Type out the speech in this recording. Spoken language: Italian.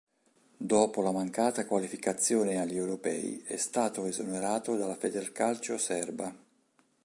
Dopo la mancata qualificazione agli europei è stato esonerato dalla Federcalcio serba.